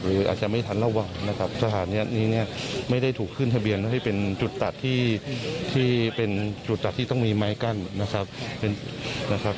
หรืออาจจะไม่ทันระวังนะครับสถานีนี้เนี่ยไม่ได้ถูกขึ้นทะเบียนให้เป็นจุดตัดที่เป็นจุดตัดที่ต้องมีไม้กั้นนะครับ